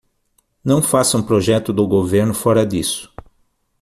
Não faça um projeto do governo fora disso!